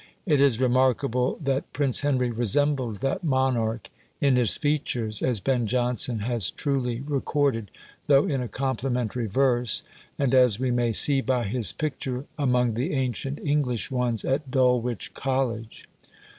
It is remarkable that Prince Henry resembled that monarch in his features, as Ben Jonson has truly recorded, though in a complimentary verse, and as we may see by his picture, among the ancient English ones at Dulwich College.